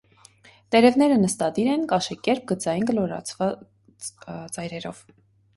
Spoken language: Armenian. Տերևները նստադիր են, կաշեկերպ, գծային, կլորացած ծայրերով։